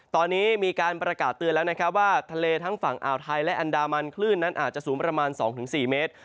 ตอนนี้มีการประกาศเตือนแล้วว่าทะเลทางฝั่งอ่าวไทยและอ่าวไทยนั้นอาจจะสูงประมาณ๒๔เมตร